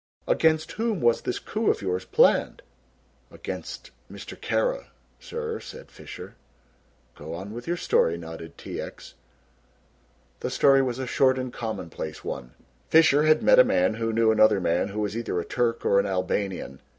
"Against whom was this coup of yours planned?" "Against Mr. Kara, sir," said Fisher. "Go on with your story," nodded T. X. The story was a short and commonplace one. Fisher had met a man who knew another man who was either a Turk or an Albanian.